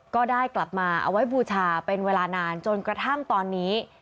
ก็ได้กลับมาเอาไว้บูชาเป็นเวลานานจนกระทั่งตอนนี้